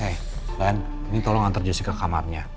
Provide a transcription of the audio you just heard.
hey len ini tolong antar jessica ke kamarnya